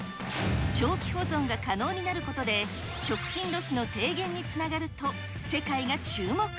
長期保存が可能になることで、食品ロスの低減につながると、世界が注目。